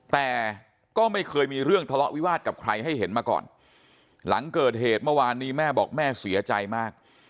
แต่ก็ไม่เคยมีเรื่องทะเลาะวิวาสกับใครให้เห็นมาก่อนหลังเกิดเหตุเมื่อวานนี้แม่บอกแม่เสียใจมาก